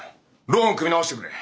ローン組み直してくれ！